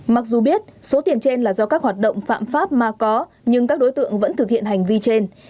mặc dù biết số tiền trên là do các hoạt động phạm pháp mà có nhưng các đối tượng vẫn thực hiện hành vi trên